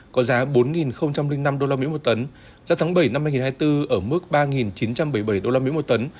có giá bốn năm usd một tấn giao tháng bảy năm hai nghìn hai mươi bốn ở mức ba chín trăm bảy mươi bảy usd một tấn